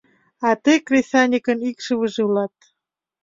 А тый кресаньыкын икшывыже улат.